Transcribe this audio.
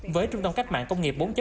với trung tâm cách mạng công nghiệp bốn